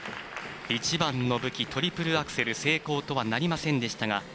一番の武器、トリプルアクセル成功とはなりませんでしたが。